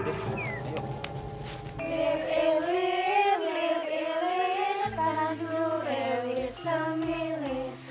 lirik lirik lirik lirik karang duel di semilih